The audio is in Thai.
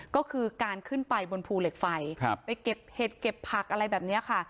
ก็คือการขึ้นไปบนภูเหล็กไฟไปเก็บเห็ดเก็บผักอะไรแบบนี้ค่ะ